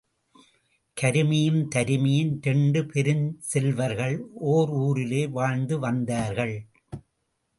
கருமியும் தருமியும் இரண்டு பெருஞ்செல்வர்கள் ஒர் ஊரிலே வாழ்ந்து வந்தார்கள்.